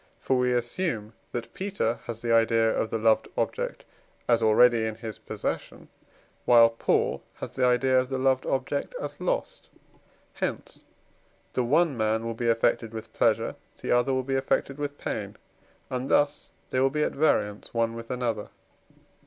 For we assume that Peter has the idea of the loved object as already in his possession, while Paul has the idea of the loved object as lost. Hence the one man will be affected with pleasure, the other will be affected with pain, and thus they will be at variance one with another.